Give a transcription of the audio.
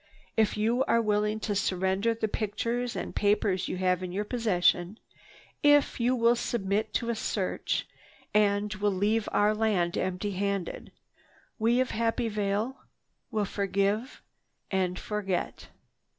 If you are willing to surrender the pictures and papers you have in your possession, if you will submit to a search and will leave our land empty handed, we of Happy Vale will forgive and forget."